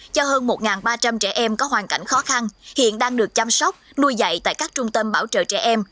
cho hơn một ba trăm linh trẻ em có hoàn cảnh khó khăn hiện đang được chăm sóc nuôi dạy tại các trung tâm bảo trợ trẻ em